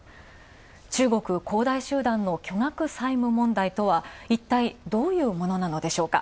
中国恒大集団の巨額債務問題とはいったいどういうものなのでしょうか。